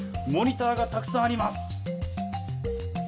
モニターがたくさんあります！